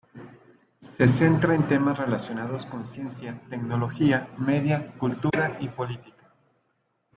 Se centra en temas relacionados con ciencia, tecnología, media, cultura y política.